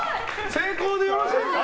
成功でよろしいですね。